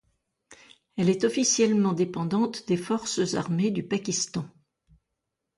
Elle est officiellement dépendante des forces armées du Pakistan.